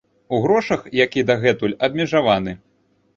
У грошах, як і дагэтуль, абмежаваны.